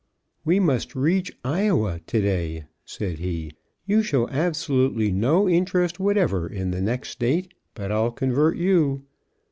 "We must reach Iowa to day," said he. "You show absolutely no interest whatever in the next state; but I'll convert you."